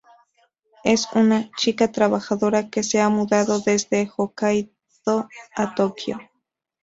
Es una chica trabajadora que se ha mudado desde Hokkaido a Tokio.